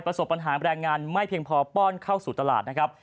ประสบปัญหาแรงงานไม่เพียงพอป้อนเข้าสู่ตลาดนะครับ